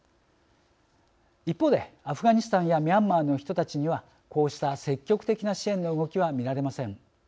一方で、アフガニスタンやミャンマーの人たちにはこうした積極的な支援の動きは見られません。